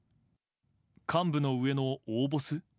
幹部の上の大ボス？